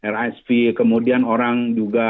rsv kemudian orang juga